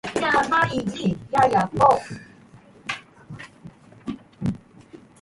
The election resulted in the Democratic Labour Party gaining control of the council.